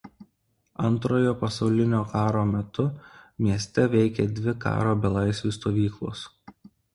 Antrojo pasaulinio karo metu mieste veikė dvi karo belaisvių stovyklos.